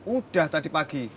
udah tadi pagi